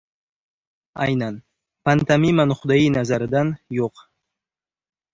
Aynan pantomima nuqtai nazaridan – yo‘q.